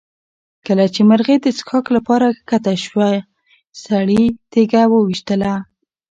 کله چې مرغۍ د څښاک لپاره کښته شوه سړي تیږه وویشتله.